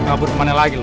kabur kemana lagi lu